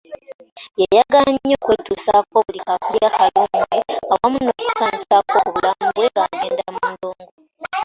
Yayagala nnyo n’okwetuusaako buli kaakulya akalungi wamu n’okusanyusaako ku bulamu bwe ng’agendako mu ndongo.